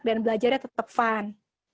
dan belajarnya tetap fun